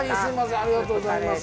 ありがとうございます。